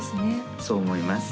そう思います。